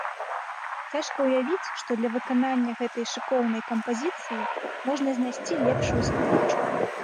Цяжка ўявіць, што для выканання гэтай шыкоўнай кампазіцыі можна знайсці лепшую спявачку.